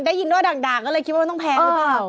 ได้ยินว่าด่างก็เลยคิดว่ามันต้องแพงหรือเปล่า